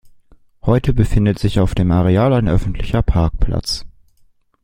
Heute befindet sich auf dem Areal ein öffentlicher Parkplatz.